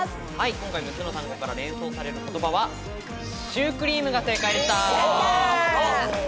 今回６つの単語から連想される言葉は、「シュークリーム」が正解でした。